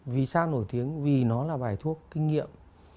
vì sao nổi tiếng vì nó là bài thuốc kinh nghiệm